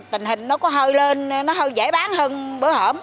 thì tình hình nó có hơi lên nó hơi dễ bán hơn bữa hổm